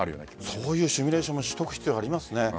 そういうシミュレーションもしていく必要がありますね。